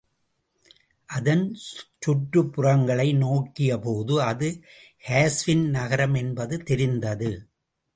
அதன் சுற்றுப்புறங்களை நோக்கிய போது அது காஸ்வின் நகரம் என்பது தெரிந்தது.